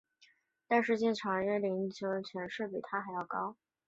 但是当时长崎圆喜之子内管领长崎高资的权势比高时还要强大。